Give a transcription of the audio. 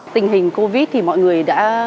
tình hình covid thì mọi người đã